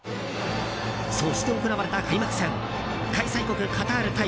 そして行われた開幕戦開催国カタール対